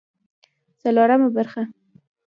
څلورمه برخه